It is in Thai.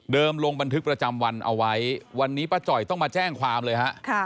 ลงบันทึกประจำวันเอาไว้วันนี้ป้าจ่อยต้องมาแจ้งความเลยฮะ